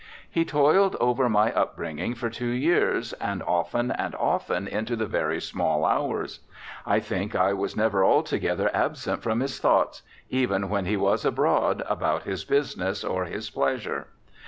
He toiled over my up bringing for two years, and often and often into the very small hours. I think I was never altogether absent from his thoughts, even when he was abroad about his business or his pleasure.